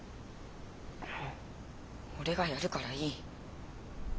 俺がやるからいい。